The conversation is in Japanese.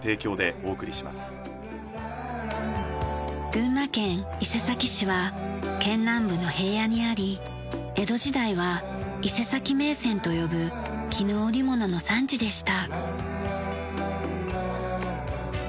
群馬県伊勢崎市は県南部の平野にあり江戸時代はいせさき銘仙と呼ぶ絹織物の産地でした。